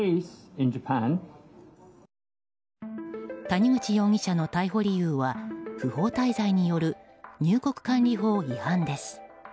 谷口容疑者の逮捕理由は不法滞在による入国管理法違反です。